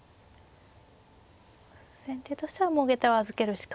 先手としてはもうげたを預けるしか。